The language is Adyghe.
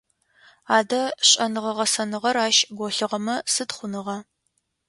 Адэ, шӏэныгъэ-гъэсэныгъэр ащ голъыгъэмэ сыд хъуныгъа?